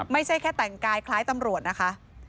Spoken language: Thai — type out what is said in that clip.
ไม่ใช่แค่แต่งกายคล้ายตำรวจนะคะ